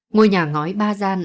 ngôi nhà ngói ba gian